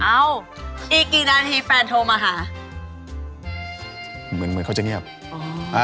อ้าวอีกกี่นาทีแฟนโทรมาหา